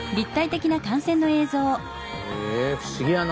へえ不思議やな。